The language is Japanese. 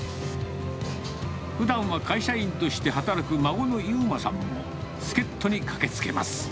ふだんは会社員として働く孫の悠真さんも、助っ人に駆けつけます。